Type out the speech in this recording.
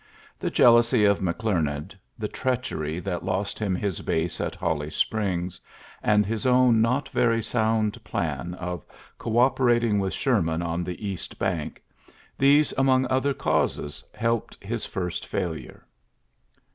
The jealousy of McClemand, the treachery that lost him his base at HoUy Springs, and his own not very sound plan of co operating with Sherman on the east bank — these among other causes helped his first failure.